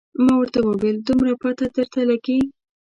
ما ورته وویل دومره پته درته لګي.